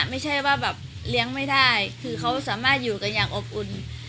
ไม่ใช่ว่าแบบเลี้ยงไม่ได้คือเขาสามารถอยู่กันอย่างอบอุ่น